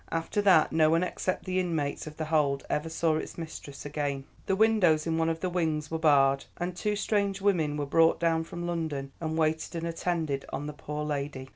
"After that no one except the inmates of The Hold ever saw its mistress again; the windows in one of the wings were barred, and two strange women were brought down from London and waited and attended on the poor lady.